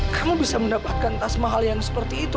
kamu bisa mendapatkan tas mahal yang seperti itu